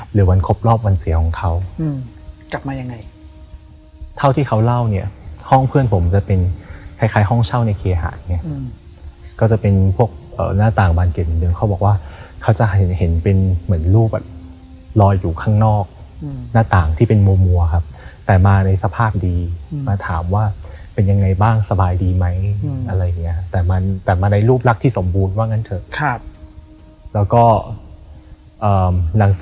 หรือวันครบรอบวันเสียของเขาอืมกลับมายังไงเท่าที่เขาเล่าเนี้ยห้องเพื่อนผมจะเป็นคล้ายคล้ายห้องเช่าในเคหาเนี้ยอืมก็จะเป็นพวกเอ่อหน้าต่างบานเก็บเหมือนเดิมเขาบอกว่าเขาจะเห็นเห็นเป็นเหมือนรูปแบบลอยอยู่ข้างนอกอืมหน้าต่างที่เป็นมัวมัวครับแต่มาในสภาพดีอืมมาถามว่าเป็นยังไงบ้างสบายดีไหมอืม